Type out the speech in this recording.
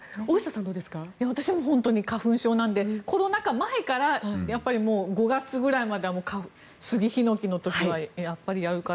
私も花粉症なのでコロナ禍前から５月ぐらいまでは杉、ヒノキの時はやるから。